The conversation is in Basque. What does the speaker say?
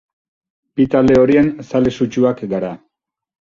Bi talde horien zale sutsuak gara.